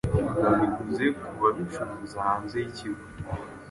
babiguze ku babicuruza hanze y’ikigo.